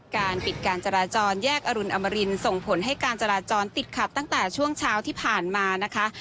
การปิดการจราจรแยกอรุณอมรินส่งผลให้การจราจรติดขัดตั้งแต่ช่วงเช้าที่ผ่านมานะคะ